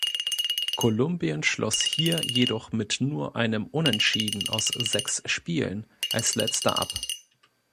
Kolumbien schloss hier jedoch mit nur einem Unentschieden aus sechs Spielen als Letzter ab.